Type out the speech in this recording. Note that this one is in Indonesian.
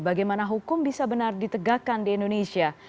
bagaimana hukum bisa benar ditegakkan di indonesia